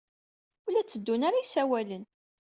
Ur la tteddun ara yisawalen.